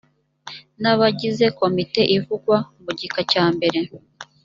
n abagize komite ivugwa mu gika cya mbere